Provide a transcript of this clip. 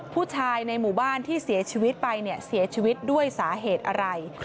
ผู้ชายในหมู่บ้านที่เสียชีวิตไปเนี่ยเสียชีวิตด้วยสาเหตุอะไร